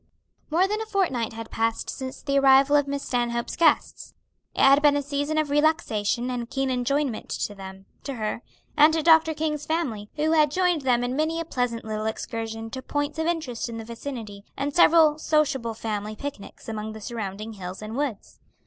More than a fortnight had passed since the arrival of Miss Stanhope's guests. It had been a season of relaxation and keen enjoyment to them, to her, and to Dr. King's family, who had joined them in many a pleasant little excursion to points of interest in the vicinity, and several sociable family picnics among the surrounding hills and woods.